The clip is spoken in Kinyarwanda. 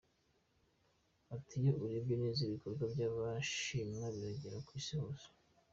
Ati“ Iyo urebye neza ibikorwa by’Abashinwa biragera mu isi hose.